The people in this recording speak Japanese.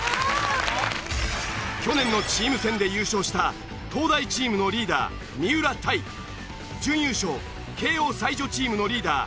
去年のチーム戦で優勝した東大チームのリーダー三浦対準優勝慶應才女チームのリーダー